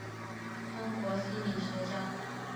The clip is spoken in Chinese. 中国心理学家。